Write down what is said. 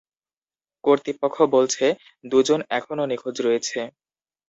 কর্তৃপক্ষ বলছে, দুজন এখনো নিখোঁজ রয়েছে।